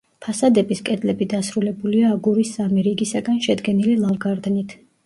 ფასადების კედლები დასრულებულია აგურის სამი რიგისაგან შედგენილი ლავგარდნით.